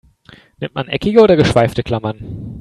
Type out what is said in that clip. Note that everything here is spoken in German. Nimmt man eckige oder geschweifte Klammern?